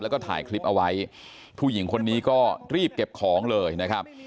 แล้วก็ถ่ายคลิปเอาไว้ผู้หญิงคนนี้ก็รีบเก็บของเลยนะครับ